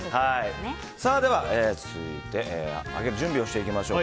では、続いて揚げる準備をしていきましょう。